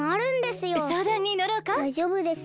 だいじょうぶです。